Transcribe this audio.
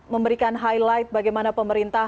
memberikan highlight bagaimana pemerintah